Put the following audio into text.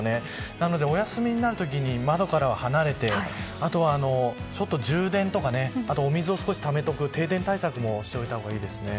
なので、お休みになる時に窓から離れてあとは、充電とかお水を少しためておく停電対策もしておいたほうがいいですね。